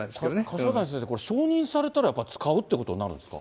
柏谷先生、これ、承認されたら使うってことになるんですか。